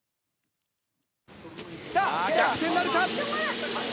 さぁ逆転なるか？